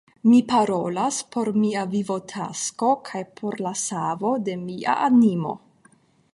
Mi parolas por mia vivotasko kaj por la savo de mia animo!